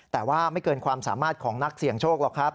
แต่ว่าไม่เกินความสามารถของนักเสี่ยงโชคหรอกครับ